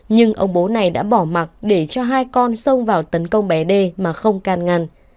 nhưng ông bố này đã bỏ mặt để cho hai con sông vào tấn công bé đê mà không can ngăn